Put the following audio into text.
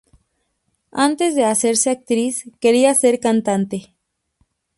Antes de hacerse actriz, quería ser cantante.